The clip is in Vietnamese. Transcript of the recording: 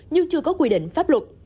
nhưng chưa có quy định pháp luật